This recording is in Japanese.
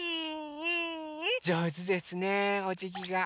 じょうずですねおじぎが。